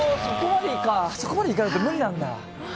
そこまでいかないと無理なんだ。